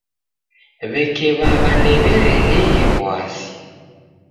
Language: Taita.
W'eke W'aw'a ndew'erenee w'asi.